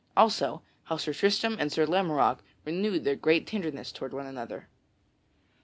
Also how Sir Tristram and Sir Lamorack renewed their great tenderness toward one another.